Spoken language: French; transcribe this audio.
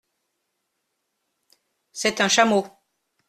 C’est un chameau.